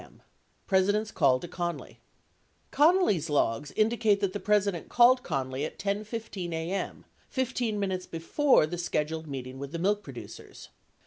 m. — president's call to connally Connally's logs indicate that the President called Connally at 10 :15 a.m., 15 minutes before the scheduled meeting with the milk producers.